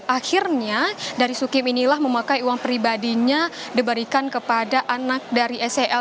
akhirnya dari sukim inilah memakai uang pribadinya diberikan kepada anak dari sel